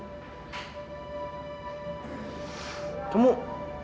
tuh kamu lihat nggak sih